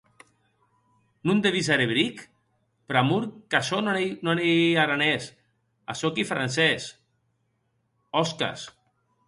C’est le medecin intime de la Reine d’Espagne.